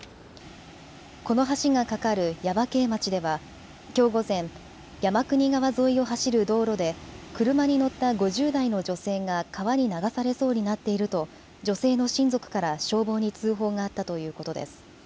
この橋が架かる耶馬溪町ではきょう午前、山国川沿いを走る道路で車に乗った５０代の女性が川に流されそうになっていると女性の親族から消防に通報があったということです。